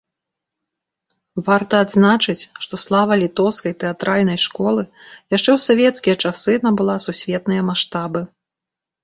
Варта адзначыць, што слава літоўскай тэатральнай школы яшчэ ў савецкія часы набыла сусветныя маштабы.